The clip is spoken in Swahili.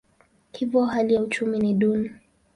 Hivyo hali ya uchumi ni duni.